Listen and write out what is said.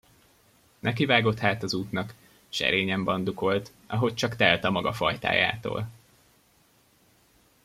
Nekivágott hát az útnak; serényen bandukolt, ahogy csak telt a maga fajtájától.